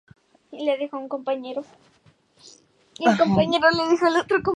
Las plazas más importantes son la Piazza Sannazaro y la Piazza della Repubblica.